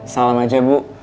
salam aja bu